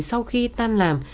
sau khi tan làm